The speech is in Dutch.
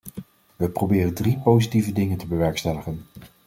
We proberen drie positieve dingen te bewerkstelligen.